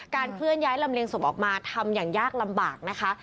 เคลื่อนย้ายลำเลียงศพออกมาทำอย่างยากลำบากนะคะ